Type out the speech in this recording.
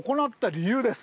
理由？